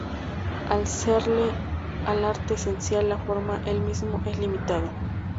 Al serle al arte esencial la forma, el mismo es limitado.